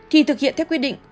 thì thực hiện theo quy định